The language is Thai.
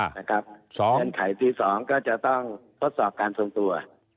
เงื่อนไขที่๒ก็จะต้องทดสอบการทรงตัว